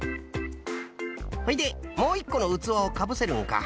ほいでもういっこのうつわをかぶせるんか。